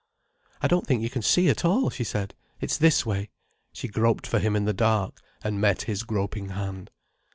"I don't think you can see at all," she said. "It's this way." She groped for him in the dark, and met his groping hand.